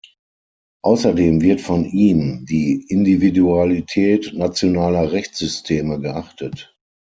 Außerdem wird von ihm die Individualität nationaler Rechtssysteme geachtet.